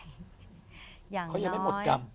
เขายังไม่หมดกรรม